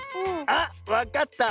あっわかった。